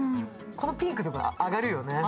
このピンクとか上がるよね。